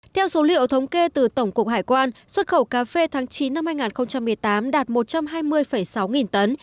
theo số liệu thống kê từ tổng cục hải quan xuất khẩu cà phê tháng chín năm hai nghìn một mươi tám đạt một trăm hai mươi sáu nghìn tấn